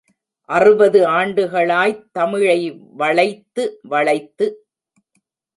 அறுபது ஆண்டுகளாய்த் தமிழை வளைத்து வளைத்து.